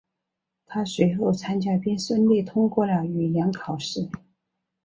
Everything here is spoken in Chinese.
他随后参加并顺利通过了语言考试。